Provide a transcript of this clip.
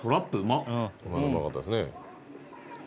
今のうまかったですね